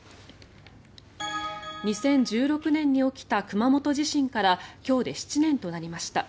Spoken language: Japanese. ２０１６年に起きた熊本地震から今日で７年となりました。